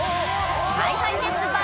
ＨｉＨｉＪｅｔｓＶＳ